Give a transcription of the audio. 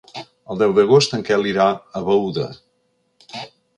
El deu d'agost en Quel irà a Beuda.